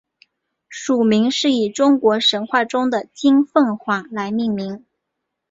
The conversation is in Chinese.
属名是以中国神话中的金凤凰来命名。